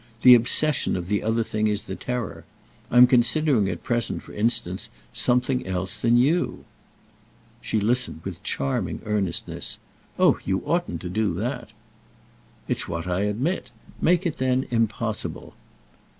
The obsession of the other thing is the terror. I'm considering at present for instance something else than you." She listened with charming earnestness. "Oh you oughtn't to do that!" "It's what I admit. Make it then impossible."